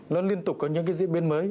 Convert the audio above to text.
nó liên tục có những diễn biến mới